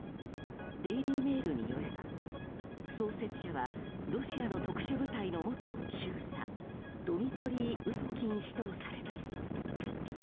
デイリー・メールによれば創設者はロシアの特殊部隊の元中佐ドミトリー・ウトキン氏とされます。